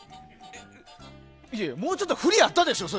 いやいやもうちょっと振りあったでしょ。